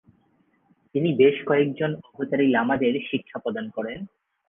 তিনি বেশ কয়েকজন অবতারী লামাদের শিক্ষাপ্রদান করেন।